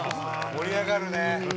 盛り上がるね。